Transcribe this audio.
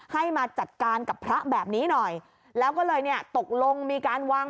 ให้มาจัดการกับพระแบบนี้หน่อยแล้วก็เลยเนี่ยตกลงมีการวาง